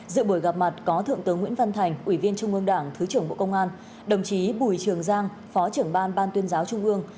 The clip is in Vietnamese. dự buổi gặp mặt có thượng tướng nguyễn văn thành ủy viên trung ương đảng thứ trưởng bộ công an đồng chí bùi trường giang phó trưởng ban ban tuyên giáo trung ương